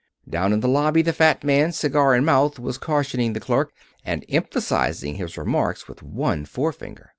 Down in the lobby the fat man, cigar in mouth, was cautioning the clerk, and emphasizing his remarks with one forefinger.